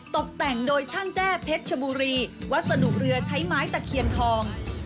ตกแต่งโดยช่างแจ้เพชรชบุรีวัสดุเรือใช้ไม้ตะเคียนทอง